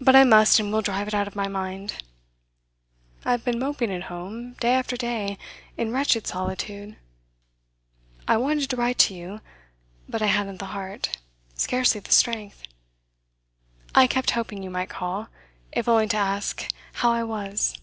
But I must and will drive it out of my mind. I have been moping at home, day after day, in wretched solitude. I wanted to write to you, but I hadn't the heart scarcely the strength. I kept hoping you might call if only to ask how I was.